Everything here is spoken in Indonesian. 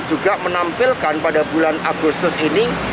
juga menampilkan pada bulan agustus ini